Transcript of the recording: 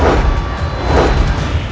aku akan terus memburumu